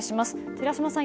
寺嶋さん